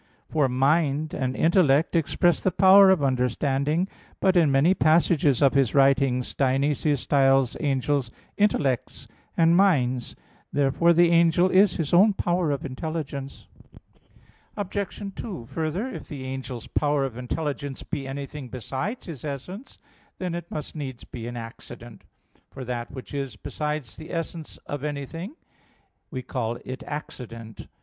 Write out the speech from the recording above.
For, "mind" and "intellect" express the power of understanding. But in many passages of his writings, Dionysius styles angels "intellects" and "minds." Therefore the angel is his own power of intelligence. Obj. 2: Further, if the angel's power of intelligence be anything besides his essence, then it must needs be an accident; for that which is besides the essence of anything, we call it accident.